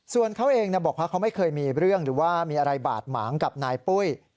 ส่วนเขาเองบอกว่าเขาไม่เคยมีเรื่องหรือว่ามีอะไรบาดหมางกับนายปุ้ย